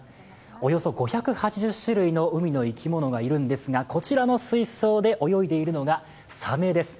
およそ５８０種類の海の生き物がいるんですが、こちらの水槽で泳いでいるのがさめです。